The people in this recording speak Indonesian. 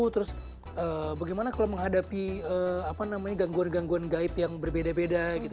terus bagaimana kalau menghadapi gangguan gangguan gaib yang berbeda beda gitu